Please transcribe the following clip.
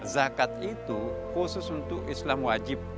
zakat itu khusus untuk islam wajib